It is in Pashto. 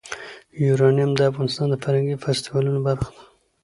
یورانیم د افغانستان د فرهنګي فستیوالونو برخه ده.